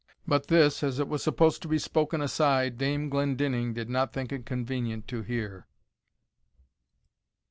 But this, as it was supposed to be spoken aside, Dame Glendinning did not think it convenient to hear.